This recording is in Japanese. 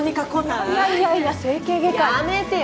いやいやいや整形外科にやめてよ